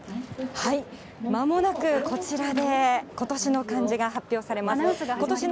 まもなくこちらで、今年の漢字が発表されます。